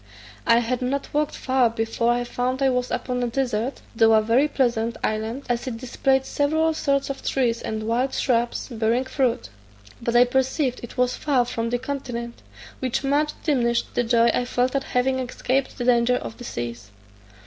I had not walked far before I found I was upon a desert, though a very pleasant, island, as it displayed several sorts of trees and wild shrubs bearing fruit; but I perceived it was far from the continent, which much diminished the joy I felt at having escaped the danger of the seas.